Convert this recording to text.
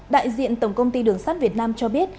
đại diện tổng công ty đường sắt việt nam cho biết